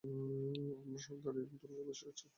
আমরা সব দাঁড়ীর দলে বসে গেছি।